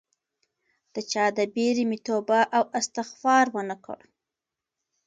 د چا د بیرې مې توبه او استغفار ونه کړ